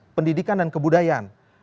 menteri pendidikan dan kebudayaan